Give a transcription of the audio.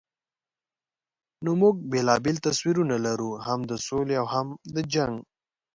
نو موږ بېلابېل تصویرونه لرو، هم د سولې او هم د جنګ.